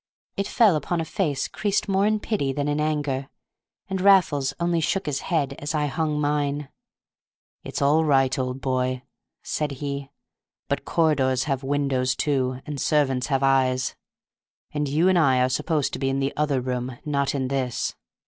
It fell upon a face creased more in pity than in anger, and Raffles only shook his head as I hung mine. "It's all right, old boy," said he; "but corridors have windows too, and servants have eyes; and you and I are supposed to be in the other room, not in this.